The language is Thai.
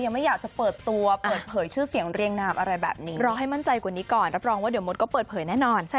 ใช่เขาก็ปล่อยให้เราเป็นแบบให้เราเรียนรู้ได้ด้วยตัวเองค่ะ